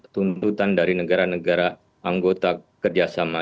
tuntutan dari negara negara anggota kerjasama